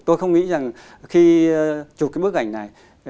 tôi không nghĩ rằng khi chụp cái bức ảnh này